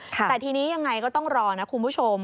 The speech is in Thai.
แต่ทีนี้ยังไงก็ต้องรอนะคุณผู้ชม